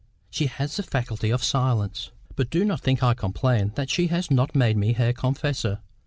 She has the faculty of silence." "But do not think I complain that she has not made me her confessor.